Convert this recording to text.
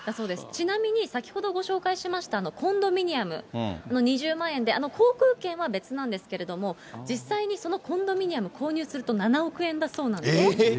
ちなみに先ほどご紹介しましたコンドミニアム、２０万円で、航空券は別なんですけれども、実際にそのコンドミニアム、購入すると７億円だそうなんです。